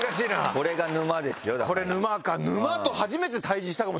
これが沼ですよだから。